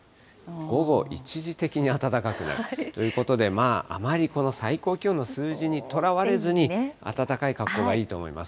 午後一時的に暖かくなるということで、まあ、あまり最高気温の数字にとらわれずに、暖かい格好がいいと思います。